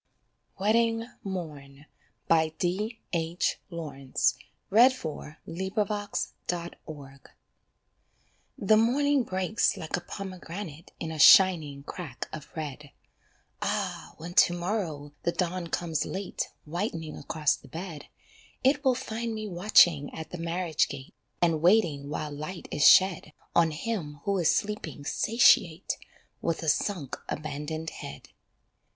of School lx. III. Afternoon in School lxiii. WEDDING MORN The morning breaks like a pomegranate In a shining crack of red, Ah, when to morrow the dawn comes late Whitening across the bed, It will find me watching at the marriage gate And waiting while light is shed On him who is sleeping satiate, With a sunk, abandoned head.